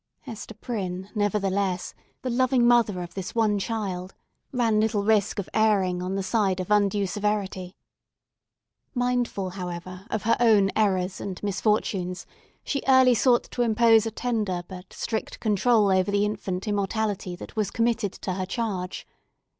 Hester Prynne, nevertheless, the loving mother of this one child, ran little risk of erring on the side of undue severity. Mindful, however, of her own errors and misfortunes, she early sought to impose a tender but strict control over the infant immortality that was committed to her charge.